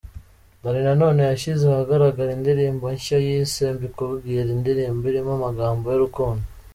Danny Nanone, yashyize ahagaragara indirimbo nshya yise Mbikubwire, indirimbo irimo amagambo y’urukundo.